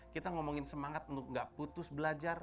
kita ngomongin semangat untuk gak putus belajar